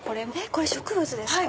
これ植物ですか？